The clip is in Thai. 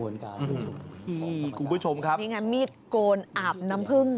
นี่ไงมีดโกนอาบน้ำพึ่ง